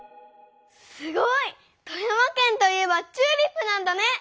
すごい！富山県といえばチューリップなんだね！